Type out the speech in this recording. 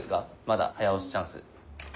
まだ早押しチャンス。